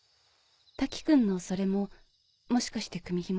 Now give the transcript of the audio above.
瀧くんのそれももしかして組紐？